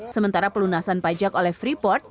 sementara pelunasan pajak oleh freeport